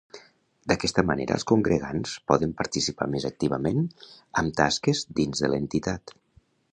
D'aquesta manera els congregants poden participar més activament amb tasques dins de l'entitat.